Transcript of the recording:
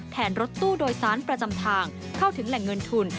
รถตู้โดยสารประจำทางเข้าถึงแหล่งเงินทุน